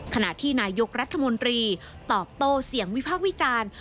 ขณะที่นายกรัฐมนตรีตอบโต้เสียงวิพากษ์วิจารณ์